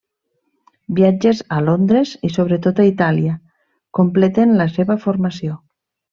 Viatges a Londres i sobretot a Itàlia completen la seva formació.